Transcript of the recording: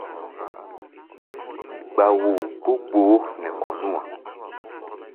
Gba-woo gbó gboó nɛ kɔ̧ nú-a.